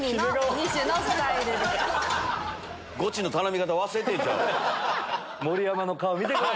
ゴチの頼み方忘れてるんとちゃうの？